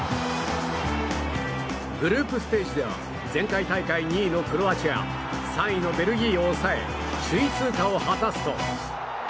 グループステージでは前回大会２位のクロアチア３位のベルギーを抑え首位通過を果たすと。